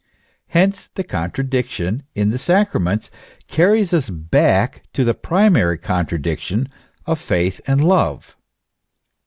Hence the contradiction in the sacraments carries us back to the primary contradiction of Faith and Love.